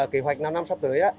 kế hoạch năm năm sắp tới